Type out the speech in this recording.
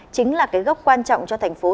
chính là cái gốc quan trọng cho thành phố